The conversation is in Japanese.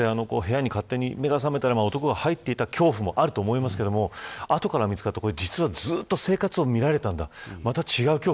目が覚めたら男が入っていた恐怖もあると思いますけれども後から見つかった実は、生活を見られていたんだ